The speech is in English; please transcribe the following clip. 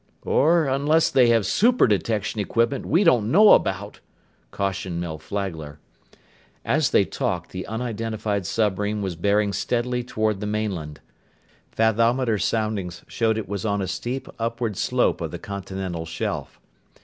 "Or unless they have superdetection equipment we don't know about," cautioned Mel Flagler. As they talked, the unidentified submarine was bearing steadily toward the mainland. Fathometer soundings showed it was on a steep upward slope of the continental shelf.